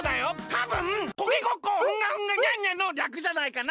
たぶんコケコッコふんがふんがにゃんにゃんのりゃくじゃないかな。